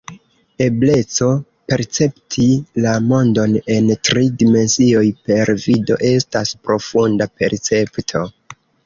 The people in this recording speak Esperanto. Ebleco percepti la mondon en tri dimensioj per vido estas profunda percepto.